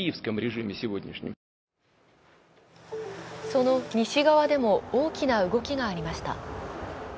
その西側でも大きな動きがありました。